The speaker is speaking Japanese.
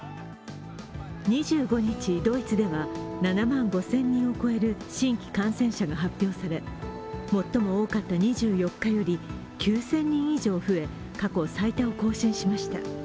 ２５日、ドイツでは７万５０００人を超える新規感染者が発表され、最も多かった２４日より９０００人以上増え、過去最多を更新しました。